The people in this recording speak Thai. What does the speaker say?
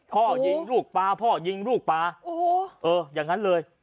พ่อยิงลูกปลาพ่อยิงลูกปลาโอ้โหเอออย่างนั้นเลย